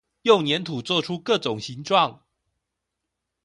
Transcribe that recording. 用黏土做出各種形狀